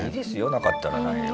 なかったらないで。